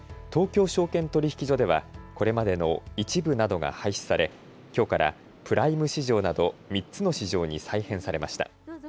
東京証券取引所ではこれまでの１部などが廃止されきょうからプライム市場など３つの市場に再編されました。